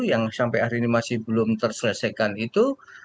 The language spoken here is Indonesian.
yang sampai hari ini masih belum terselesaikan itu